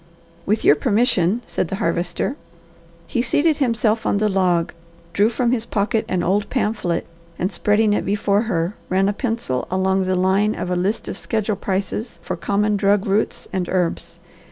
"With your permission," said the Harvester. He seated himself on the log, drew from his pocket an old pamphlet, and spreading it before her, ran a pencil along the line of a list of schedule prices for common drug roots and herbs.